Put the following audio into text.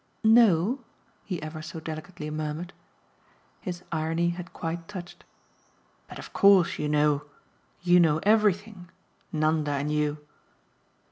"'Know' ?" he ever so delicately murmured. His irony had quite touched. "But of course you know! You know everything Nanda and you."